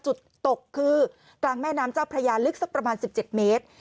จุดตกคือกลางแม่น้ำเจ้าพระยาลึกสักประมาณ๑๗เมตร